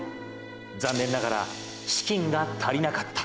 残念ながら資金が足りなかった。